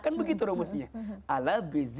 kan begitu rumusnya